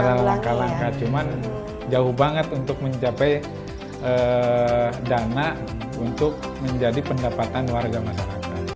ada langkah langkah cuman jauh banget untuk mencapai dana untuk menjadi pendapatan warga masyarakat